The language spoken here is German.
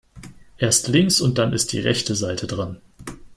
Erst links und dann ist die rechte Seite dran.